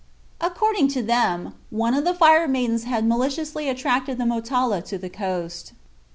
According to them, one of the Fire Maidens had maliciously attracted the Motala to the coast.